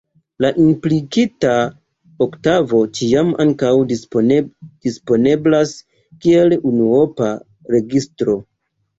La implikita oktavo ĉiam ankaŭ disponeblas kiel unuopa registro.